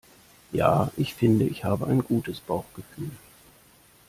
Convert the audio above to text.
Ja, ich finde, ich habe ein gutes Bauchgefühl.